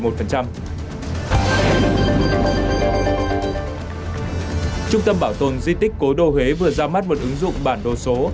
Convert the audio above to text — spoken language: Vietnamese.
trung tâm bảo tồn di tích cố đô huế vừa ra mắt một ứng dụng bản đồ số